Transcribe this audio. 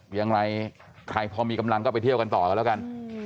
อย่างไรใครพอมีกำลังก็ไปเที่ยวกันต่อกันแล้วกัน